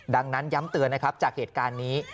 ดังนั้นย้ำเตือนนะครับจากเหตุการณ์นี้